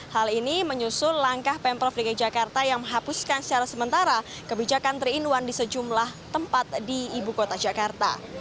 hal ini menyusul langkah pemprov dki jakarta yang menghapuskan secara sementara kebijakan tiga in satu di sejumlah tempat di ibu kota jakarta